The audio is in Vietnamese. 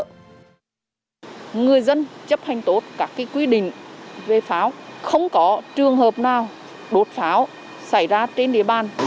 người dân chấp hành tốt các quy định về pháo không có trường hợp nào đốt pháo xảy ra trên địa bàn